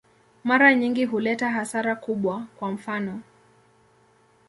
Mara nyingi huleta hasara kubwa, kwa mfano.